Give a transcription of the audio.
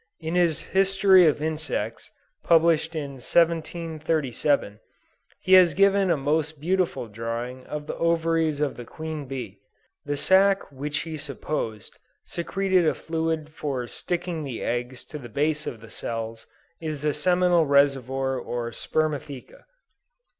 In his History of Insects, published in 1737, he has given a most beautiful drawing of the ovaries of the queen bee. The sac which he supposed secreted a fluid for sticking the eggs to the base of the cells is the seminal reservoir or spermatheca.